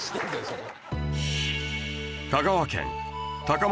そこ。